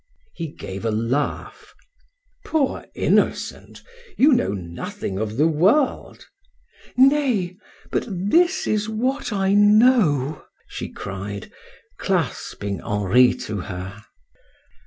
He gave a laugh. "Poor innocent! You know nothing of the world." "Nay, but this is what I know," she cried, clasping Henri to her.